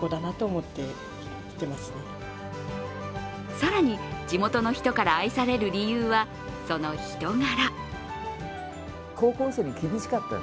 更に、地元の人から愛される理由は、その人柄。